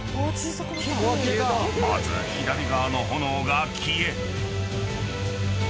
［まず左側の炎が消え］